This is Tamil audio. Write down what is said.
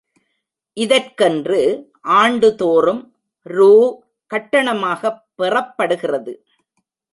இதற்கென்று ஆண்டுதோறும் ரூ. கட்டணமாகப் பெறப்படுகிறது.